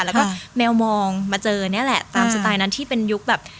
แล้วก็แมวมองมาเจอนี่แหละตามสไตล์นั้นที่เป็นยุคแบบ